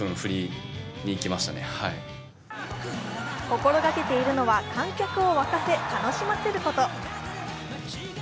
心がけているのは観客を沸かせ楽しませること。